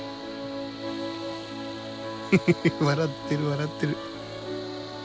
ふふふ笑ってる笑ってる。